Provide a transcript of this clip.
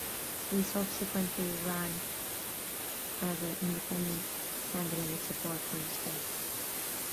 He subsequently ran as an independent candidate with support from Respect.